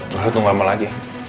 lu harus nunggu lama lagi